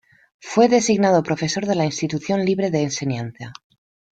Fue designado profesor de la Institución Libre de Enseñanza.